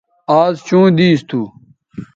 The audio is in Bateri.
آز چوں دیس تھو